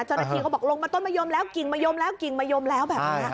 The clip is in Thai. เจ้านาธิก็บอกลงมาต้นมะยมแล้วกิ่งมะยมแล้วแบบนี้